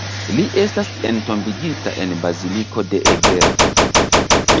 Li estas entombigita en Baziliko de Eger.